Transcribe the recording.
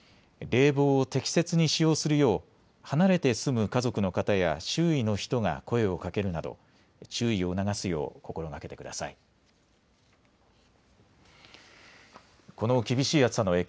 冷房を適切に使用するよう離れて住む家族の方や周囲の人が声をかけるなど注意を促すよう心がけてください。